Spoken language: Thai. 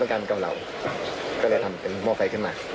มีเส้นเรียกกับหม้อไฟ